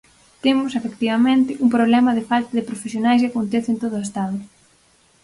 Temos, efectivamente, un problema de falta de profesionais que acontece en todo o Estado.